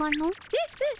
えっ？えっ？